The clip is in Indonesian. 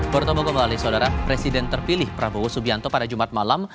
bertemu kembali saudara presiden terpilih prabowo subianto pada jumat malam